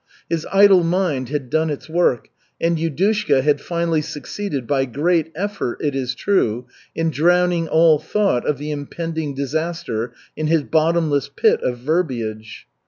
His idle mind had done its work, and Yudushka had finally succeeded by great effort, it is true, in drowning all thought of the impending "disaster" in his bottomless pit of verbiage.